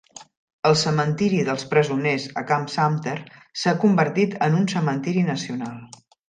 El cementiri dels presoners a Camp Sumter s'ha convertit en un cementiri nacional.